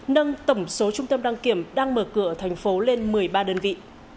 nâng tổng số trung tâm đăng kiểm đang mở cửa thành phố lên một mươi ba đơn vị